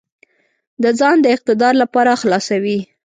د ځان د اقتدار لپاره خلاصوي.